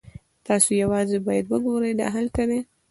تاسو یوازې باید وګورئ دا هلته دی